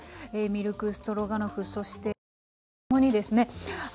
ミルクストロガノフそしてグラタンともにですね